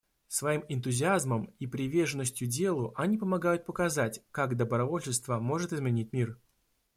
Своим энтузиазмом и приверженностью делу они помогают показать, как добровольчество может изменить мир.